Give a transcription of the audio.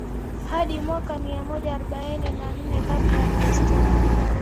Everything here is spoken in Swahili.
hadi mwaka mia moja arobaini na nne kabla ya kristo